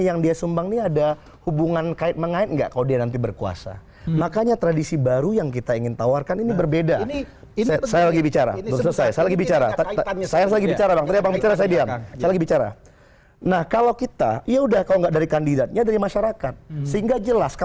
kalau perseorangan yang menyumbang langsung ke rekening khusus dana kampanye dicatatnya